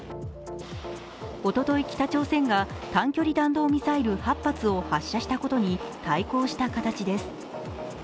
おととい、北朝鮮が短距離弾道ミサイル８発を発射したことに対抗した形です。